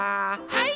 はい！